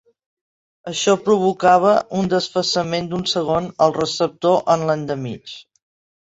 Això provocava un desfasament d'un segon al receptor en l'endemig.